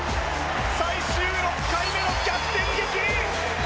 最終６回目の逆転劇！